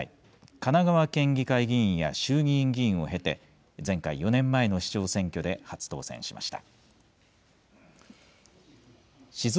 神奈川県議会議員や衆議院議員を経て、前回・４年前の市長選挙で初当選しました。